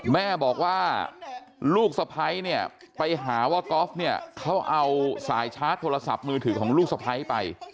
แม่บอกว่าลูกสะพ้ายเนี่ยไปหาว่ากอล์ฟเนี่ยเขาเอาสายชาร์จโทรศัพท์มือถือของลูกสะพ้ายไป